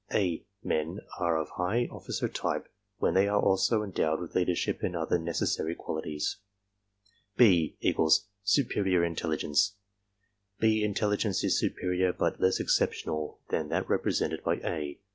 "A" men are of high officer type when they are also endowed with leader ' ship and other necessary qualities. B = Superior intelligence. "B" intelligence is superior, but less exceptional than that represented by "A."